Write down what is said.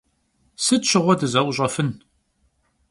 Sıt şığue dıze'uş'efın?